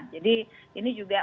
jadi ini juga